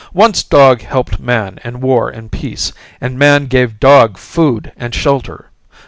Once dog helped man in war and peace, and man gave dog food and shelter.